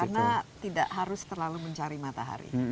karena tidak harus terlalu mencari matahari